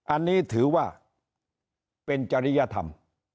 อันนี้ถือว่าเป็นจริยธรรม